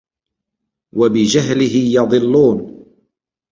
وَبِجَهْلِهِ يَضِلُّونَ